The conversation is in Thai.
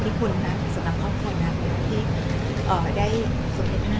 นี่คุณล่ะแสดงครอบครัวนักที่ได้พุทธ